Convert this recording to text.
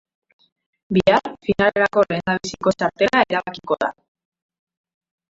Bihar finalerako lehendabiziko txartela erabakiko da.